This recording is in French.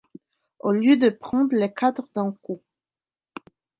Au lieu de prendre les quatre d'un coup.